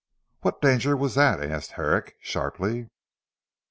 "What danger was that?" asked Herrick sharply.